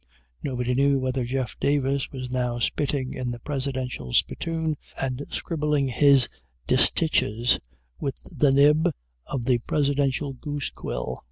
Nobody knew whether Jeff Davis was now spitting in the Presidential spittoon, and scribbling his distiches with the nib of the Presidential goose quill.